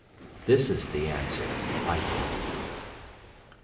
"This is the answer," I thought.